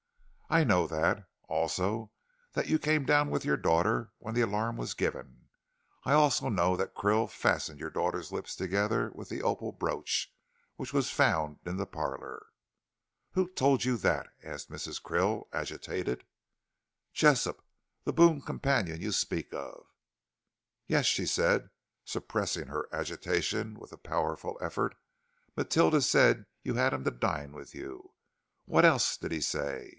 "I know that. Also that you came down with your daughter when the alarm was given. I also know that Krill fastened your daughter's lips together with the opal brooch which was found in the parlor." "Who told you that?" asked Mrs. Krill, agitated. "Jessop the boon companion you speak of." "Yes," she said, suppressing her agitation with a powerful effort. "Matilda said you had him to dine with you. What else did he say?"